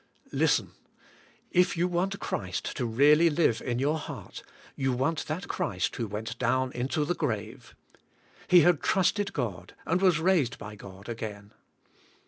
Lis ten, if you want Christ to really live in your heart you want that Christ who went down into the grave. He had trusted God and was raised by God ag ain.